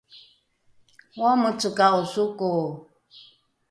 oameceka’o soko?